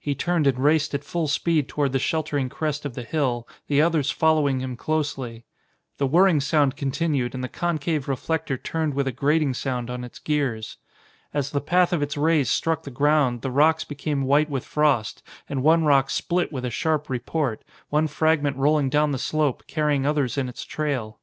He turned and raced at full speed toward the sheltering crest of the hill, the others following him closely. The whirring sound continued, and the concave reflector turned with a grating sound on its gears. As the path of its rays struck the ground the rocks became white with frost and one rock split with a sharp report, one fragment rolling down the slope, carrying others in its trail.